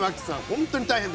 本当に大変で。